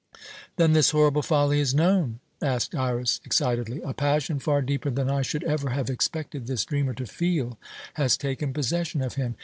"Then this horrible folly is known?" asked Iras excitedly. "A passion far deeper than I should ever have expected this dreamer to feel has taken possession of him.